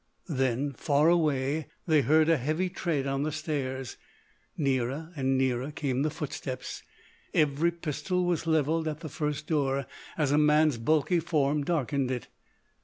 Then, far away, they heard a heavy tread on the stairs. Nearer and nearer came the footsteps. Every pistol was levelled at the first door as a man's bulky form darkened it.